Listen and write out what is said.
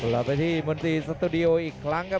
เราไปที่มนตรีสตูดิโออีกครั้งครับ